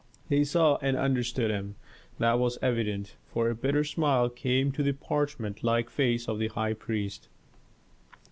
They saw and understood him, that was evident, for a bitter smile came to the parchment like face of the high priest.